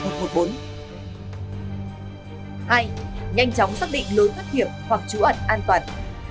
hai nhanh chóng xác định lối thoát hiểm hoặc trú ẩn an toàn